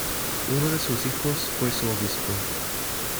Uno de sus hijos fue su obispo.